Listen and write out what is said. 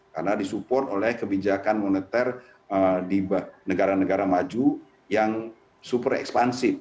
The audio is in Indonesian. karena disupport oleh kebijakan moneter di negara negara maju yang super ekspansif